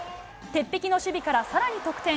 鉄壁の守備からさらに得点。